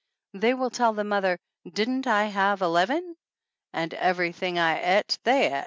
They will tell the mother "Didn't / have eleven? And everything 7 et, they et!"